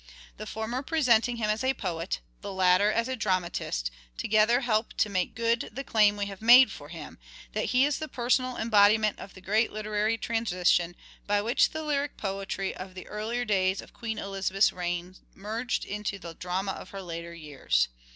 The former presenting him as a poet, and the latter as a dramatist, together help to make good the claim we have made for him : that he is the personal embodiment of the great literary transition by which the lyric poetry of the earlier days of Queen Elizabeth's reign merged into the drama of her later years.